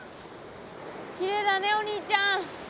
きれいだねお兄ちゃん。